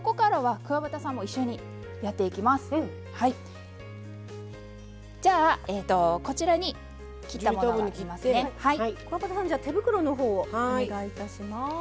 くわばたさん手袋のほうをお願いいたします。